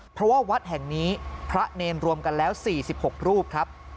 เพราะว่าวัดแห่งนี้พระเนรรวมกันแล้ว๔๖รูปครับ